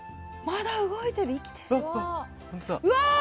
まだ動いてる生きてる・うわ